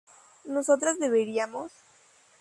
¿nosotras beberíamos?